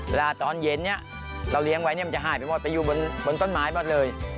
ตอนเย็นนี้เราเลี้ยงไว้มันจะหายไปหมดไปอยู่บนต้นไม้หมดเลย